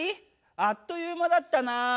あっという間だったな！